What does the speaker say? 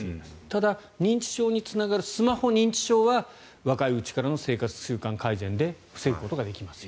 ただ認知症につながるスマホ認知症は若いうちからの生活習慣改善で防ぐことができる。